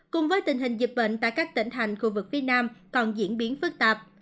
cùng với tình hình dịch bệnh tại các tỉnh thành khu vực phía nam còn diễn biến phức tạp